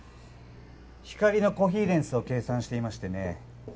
光のコヒーレンスを計算していましてね。